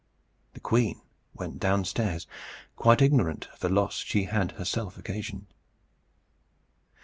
The queen went down stairs, quite ignorant of the loss she had herself occasioned.